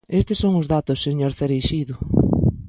Estes son os datos, señor Cereixido.